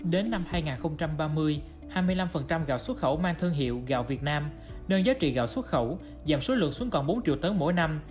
đến năm hai nghìn ba mươi hai mươi năm gạo xuất khẩu mang thương hiệu gạo việt nam nâng giá trị gạo xuất khẩu giảm số lượng xuống còn bốn triệu tấn mỗi năm